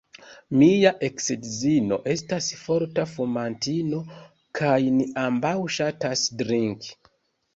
Mia eksedzino estas forta fumantino kaj ni ambaŭ ŝatas drinki.